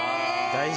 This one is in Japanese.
大事！